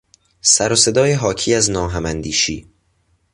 سر و صدای حاکی از ناهماندیشی